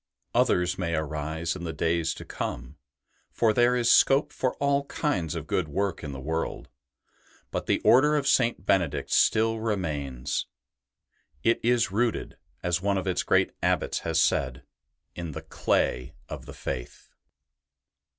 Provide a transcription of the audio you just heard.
Others may arise in the days to come, for there is scope for all kinds of good work in the world; but the Order of St. Benedict still remains: '' It is rooted," as one of its great Abbots has said, " in the clay of the Faith.''